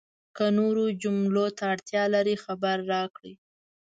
که نورو جملو ته اړتیا لرئ، خبر راکړئ!